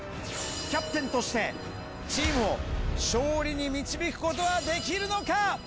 キャプテンとしてチームを勝利に導くことはできるのか？